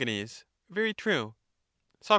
Very true. Soc.